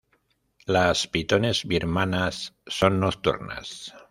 Las pitones birmanas son nocturnas.